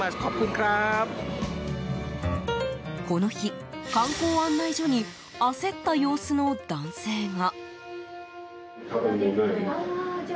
この日、観光案内所に焦った様子の男性が。